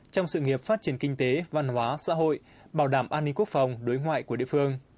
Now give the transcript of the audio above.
trong sự nghiệp phát triển kinh tế văn hóa xã hội bảo đảm an ninh quốc phòng đối ngoại của địa phương